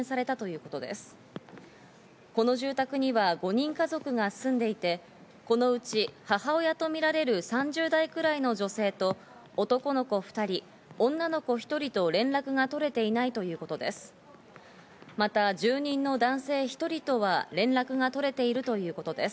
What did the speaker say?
この住宅には５人家族が住んでいて、このうち母親とみられる３０代くらいの女性と男の子２人、女の子１人と連絡が取れていないということです。